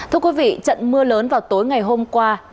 thưa quý vị trận mưa lớn vào tối ngày hôm qua